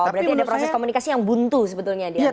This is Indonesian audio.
berarti ada proses komunikasi yang buntu sebetulnya